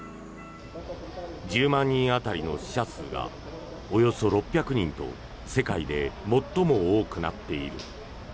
１０万人当たりの死者数がおよそ６００人と世界で最も多くなっている。